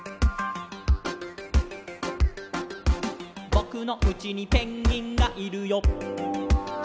「ぼくのうちにペンギンがいるよ」